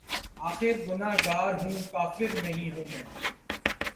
آخر گناہگار ہوں‘ کافر نہیں ہوں میں